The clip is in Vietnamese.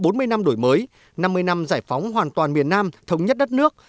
trong bốn mươi năm đổi mới năm mươi năm giải phóng hoàn toàn miền nam thống nhất đất nước